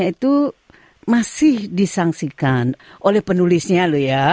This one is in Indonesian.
itu masih disangsikan oleh penulisnya loh ya